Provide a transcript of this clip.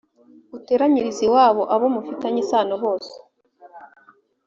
uteranyirize iwawe abo mufitanye isano bose